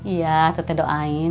iya teteh doain